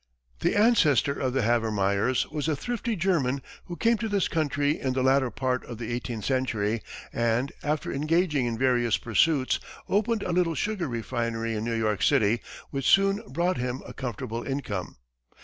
The ancestor of the Havemeyers was a thrifty German who came to this country in the latter part of the eighteenth century, and, after engaging in various pursuits, opened a little sugar refinery in New York City, which soon brought him a comfortable income.